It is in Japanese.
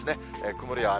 曇りや雨。